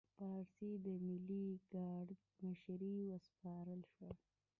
پاریس د ملي ګارډ مشري وسپارل شوه.